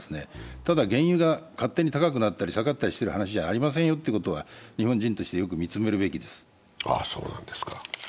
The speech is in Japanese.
ただ、原油が勝手に高くなったり、下がったりしている現状じゃありませんよということを日本人としてよく見つめるべきです。